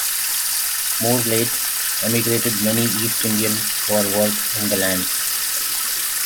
More late, emigrated many East Indian for work in the lands.